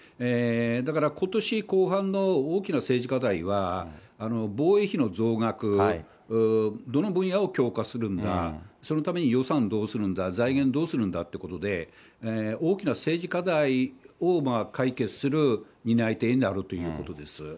だからことし後半の大きな政治課題は、防衛費の増額、どの分野を強化するのか、そのために予算どうするんだ、財源どうするんだってことで、大きな政治課題を解決する担い手になるということです。